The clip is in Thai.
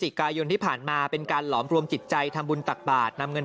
กายนที่ผ่านมาเป็นการหลอมรวมจิตใจทำบุญตักบาทนำเงิน